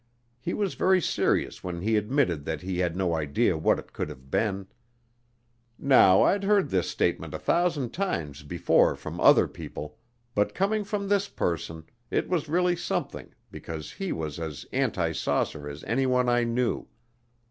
He was very serious when he admitted that he had no idea what it could have been. Now I'd heard this statement a thousand times before from other people, but coming from this person, it was really something because he was as anti saucer as anyone I knew.